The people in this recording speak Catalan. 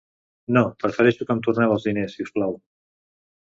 No, prefereixo que em torneu els diners si us plau.